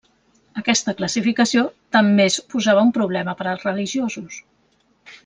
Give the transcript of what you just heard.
Aquesta classificació també suposava un problema per als religiosos.